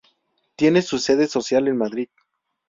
Tiene su sede social en Madrid.